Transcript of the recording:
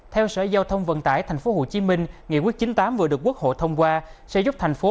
theo sở giao thông vận tải tp hcm nghị quyết chín mươi tám vừa được quốc hội thông qua sẽ giúp thành phố